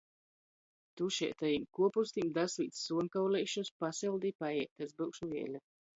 Tušeitajim kuopustim dasvīd suonkauleišus! Pasyldi i paēd! Es byušu vieli.